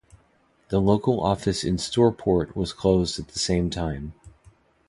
The local office in Stourport was closed at the same time.